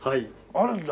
あるんだ！